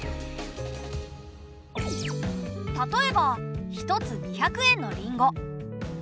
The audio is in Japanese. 例えば１つ２００円のりんご。